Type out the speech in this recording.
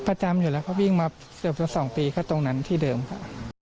ประจำอยู่แล้วเขาวิ่งมาเกือบจะ๒ปีก็ตรงนั้นที่เดิมค่ะ